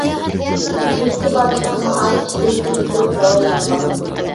زېكتى بازىرىنىڭ مائارىپ ئىشلىرى جۇش ئۇرۇپ راۋاجلانغان.